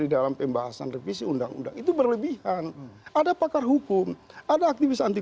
di dalam pembahasan revisi undang undang itu berlebihan ada pakar hukum ada aktivis anti